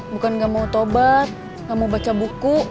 bukan gak mau tobat gak mau baca buku